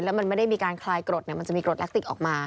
แล้วมันไม่ได้มีการคลายกรดมันจะมีกรดแลคติกออกมา